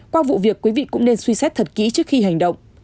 qua vụ việc quý vị cũng nên suy xét thật kỹ trước khi hành động